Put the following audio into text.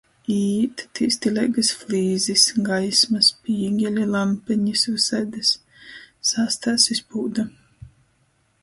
Īīt, tī stileigys flīzis, gaisma, spīgeli, lampenis vysaidys... Sāstās iz pūda.